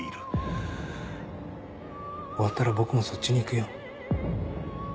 終わったら僕もそっちに行くよ。